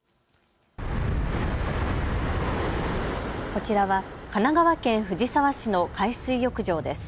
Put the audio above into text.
こちらは神奈川県藤沢市の海水浴場です。